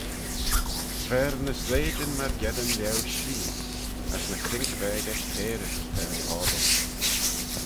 Ver ny sleityn myrgeddin lhieu shee: as ny croink veggey cairys da'n pobble.